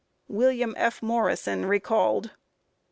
WILLIAM F. MORRISON recalled.